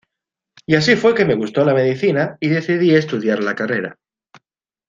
Y así fue que me gustó la medicina y decidí estudiar la carrera".